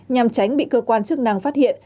nhằm tránh bị cơ quan chức năng phát hiện